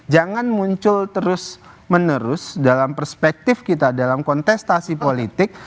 jangan muncul terus menerus dalam perspektif kita dalam kontestasi politik